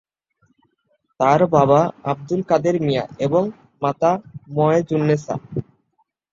তার বাবা আব্দুল কাদের মিয়া এবং মাতা ময়েজুন্নেসা।